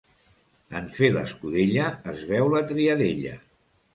En fer l'escudella es veu la triadella.